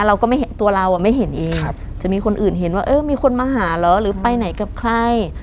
เราก็ไม่เห็นตัวเราไม่เห็นเองจะมีคนอื่นเห็นว่าเออมีคนมาหาเหรอหรือไปไหนกับใคร